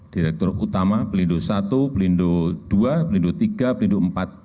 direktur utama pelindo satu pelindo ii pelindo tiga pelindo empat